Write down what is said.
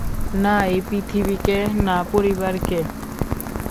না এই পৃথিবীকে না পরিবারকে।